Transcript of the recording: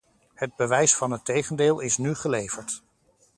Het bewijs van het tegendeel is nu geleverd.